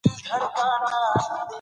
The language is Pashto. هغه ویلي چې سونا ممکن رواني ګټې ولري.